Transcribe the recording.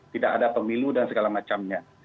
tidak ada pemilu dan segala macamnya